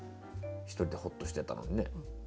１人でほっとしてたのにね。